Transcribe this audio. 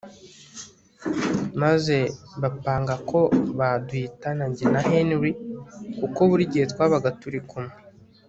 maze bapanga ko baduhitana njye Henry kuko buri gihe twabaga turi kumwe